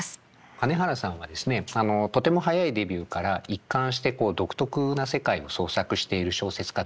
金原さんはですねとても早いデビューから一貫して独特な世界を創作している小説家です。